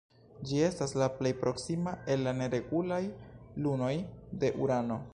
Ĝi estas la plej proksima el la neregulaj lunoj de Urano.